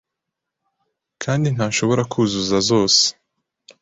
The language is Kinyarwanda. kandi ntashobora kuzuzuza zose